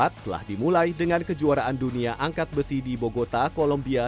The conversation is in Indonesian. terima kasih telah dimulai dengan kejuaraan dunia angkat besi di bogota kolombia